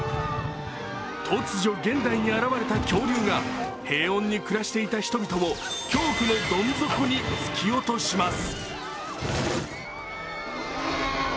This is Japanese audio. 突如、現代に現れた恐竜が平穏に暮らしていた人々を恐怖のどん底に突き落とします。